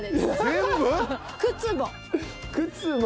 靴も。